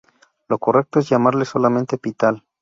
Lo correcto es llamarle solamente Pital.